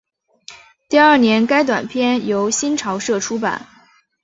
第二年该短篇由新潮社出版。